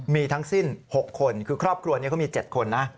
มีทั้งสิ้น๖คนคือครอบครัวนี้เขามี๗คนนะ